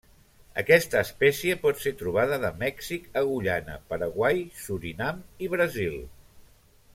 Aquesta espècie pot ser trobada de Mèxic a Guyana, Paraguai, Surinam i Brasil.